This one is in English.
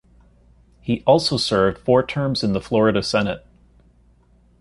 He also served four terms in the Florida Senate.